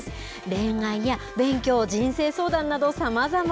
恋愛や勉強、人生相談などさまざま。